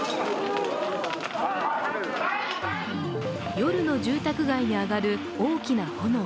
夜の住宅街に上がる大きな炎。